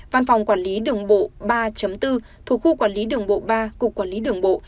văn phòng quản lý đường bộ ba bốn thuộc khu quản lý đường bộ ba cục quản lý đường bộ